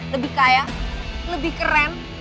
lebih kaya lebih keren